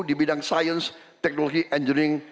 di bidang sains teknologi engineering